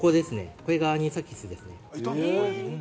これがアニサキスです。